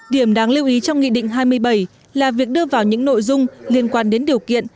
điểm đáng lưu ý trong nghị định hai mươi bảy là việc đưa vào những nội dung liên quan đến điều kiện